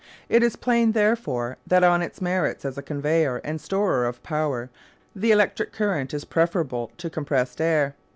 It is plain, therefore, that on its merits as a conveyer and storer of power the electric current is preferable to compressed air.